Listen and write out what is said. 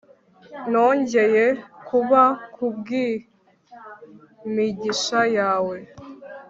nongeye kuba, kubwimigisha yawe